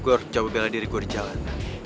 gor coba bela diri gue di jalan